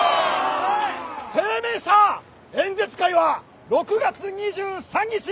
声明社演説会は６月２３日！